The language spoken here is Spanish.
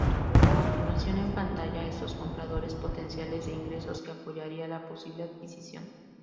A continuación, en Pantalla Estos compradores potenciales de ingresos que apoyaría la posible adquisición.